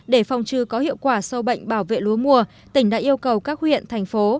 để phòng trừ có hiệu quả sâu bệnh bảo vệ lúa mùa tỉnh đã yêu cầu các huyện thành phố